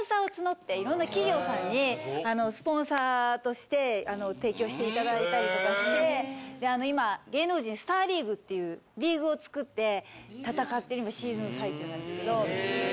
いろんな企業さんにスポンサーとして提供していただいたりとかしてで今芸能人『ＳＴＡＲ☆ＬＥＡＧＵＥ』っていうリーグを作って戦ってる今シーズンの最中なんですけど。